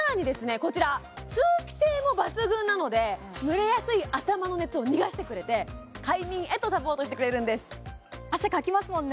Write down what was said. こちら通気性も抜群なので蒸れやすい頭の熱を逃がしてくれて快眠へとサポートしてくれるんです汗かきますもんね